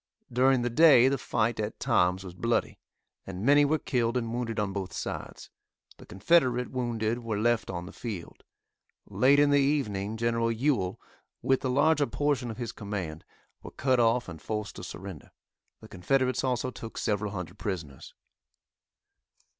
During the day the fight at times was bloody, and many were killed and wounded on both sides. The Confederate wounded were left on the field. Late in the evening Gen. Ewell, with the larger portion of his command, were cut off and forced to surrender. The Confederates also took several hundred prisoners.